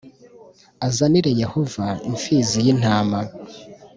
azanire Yehova imfizi y intama